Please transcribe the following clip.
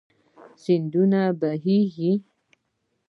سيندونه بهيږي